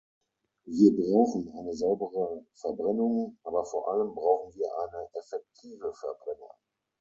Wir brauchen eine saubere Verbrennung, aber vor allem brauchen wir eine effektive Verbrennung.